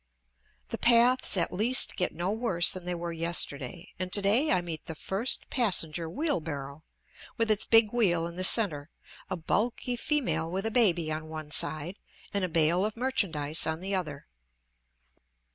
The paths at least get no worse than they were yesterday, and to day I meet the first passenger wheelbarrow, with its big wheel in the centre, a bulky female with a baby on one side, and a bale of merchandise on the other.